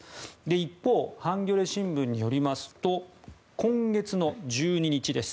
一方ハンギョレ新聞によりますと今月の１２日です。